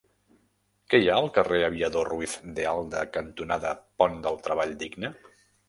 Què hi ha al carrer Aviador Ruiz de Alda cantonada Pont del Treball Digne?